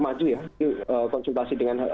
maju ya konsultasi dengan